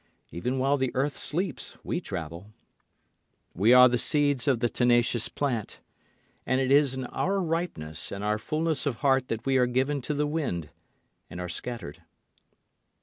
Even while the earth sleeps we travel. We are the seeds of the tenacious plant, and it is in our ripeness and our fullness of heart that we are given to the wind and are scattered.